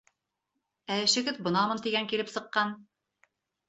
Ә эшегеҙ бынамын тигән килеп сыҡҡан.